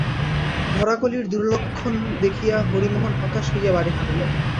ভরা কলির দুর্লক্ষণ দেখিয়া হরিমোহন হতাশ হইয়া বাড়ি ফিরিলেন।